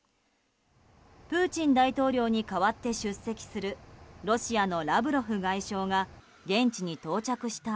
プーチン大統領に代わって出席するロシアのラブロフ外相が現地に到着した